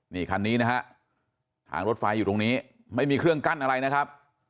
นี่คันนี้นะฮะทางรถไฟอยู่ตรงนี้ไม่มีเครื่องกั้นอะไรนะครับ